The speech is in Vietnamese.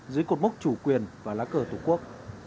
dưới cột mốc chủ quyền và lá cờ tổ quốc